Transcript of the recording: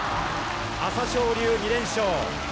朝青龍２連勝。